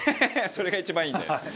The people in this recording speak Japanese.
それが一番いいんだよ。